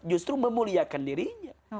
justru memuliakan dirinya